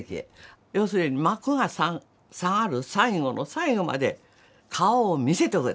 要するに「幕が下がる最後の最後まで顔を見せておけ！」